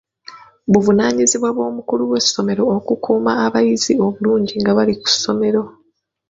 Buvunaanyizibwa bw'omukulu w'essomero okukuuma abayizi obulungi nga bali ku ssomero.